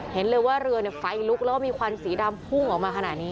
เห็นเลยว่าเรือไฟลุกแล้วก็มีควันสีดำพุ่งออกมาขนาดนี้